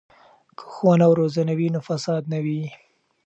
که ښوونه او روزنه وي نو فساد نه وي.